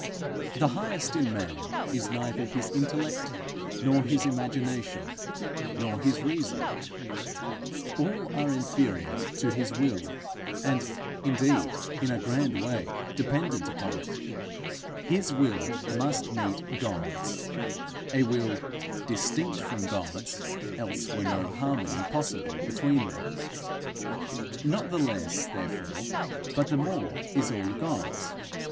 The highest in man is neither his intellect nor his imagination nor his reason; all are inferior to his will, and indeed, in a grand way, dependent upon it: his will must meet God's a will distinct from God's, else were no harmony possible between them. Not the less, therefore, but the more, is all God's.